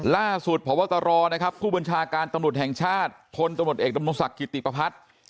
ล่าสุดผวตรผู้บัญชาการตรวจแห่งชาติคนตรวจเอกดำนวงศักดิ์กิติปภัทธ์